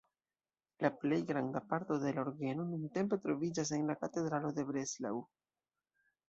La plej granda parto de la orgeno nuntempe troviĝas en la katedralo de Breslau.